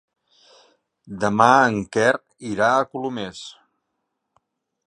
Demà en Quer irà a Colomers.